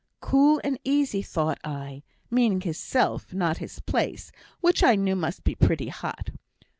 'Cool and easy!' thought I; meaning hisself, not his place, which I knew must be pretty hot.